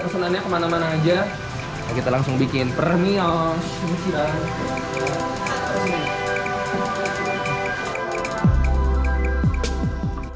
kesenannya kemana mana aja kita langsung bikin pernihaan